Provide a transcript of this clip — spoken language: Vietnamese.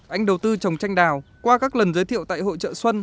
anh đầu tư trồng tranh đào qua các lần giới thiệu tại hội trợ xuân